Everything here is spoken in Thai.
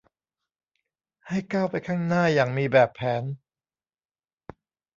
ให้ก้าวไปข้างหน้าอย่างมีแบบแผน